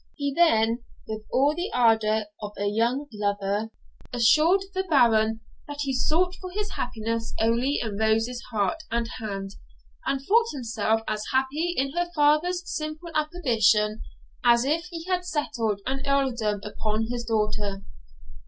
He then, with all the ardour of a young lover, assured the Baron that he sought for his happiness only in Rose's heart and hand, and thought himself as happy in her father's simple approbation as if he had settled an earldom upon his daughter.